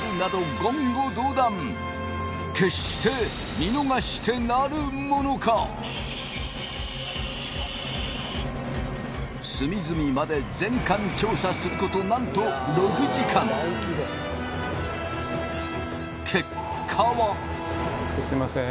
言語道断隅々まで全館調査すること何と６時間すいません